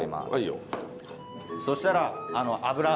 そしたら油。